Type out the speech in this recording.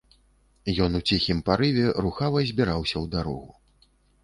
Ён у ціхім парыве рухава збіраўся ў дарогу.